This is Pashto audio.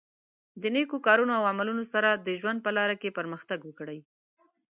د نېکو کارونو او عملونو سره د ژوند په لاره کې پرمختګ وکړئ.